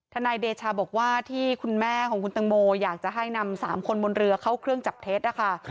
นายเดชาบอกว่าที่คุณแม่ของคุณตังโมอยากจะให้นำ๓คนบนเรือเข้าเครื่องจับเท็จนะคะ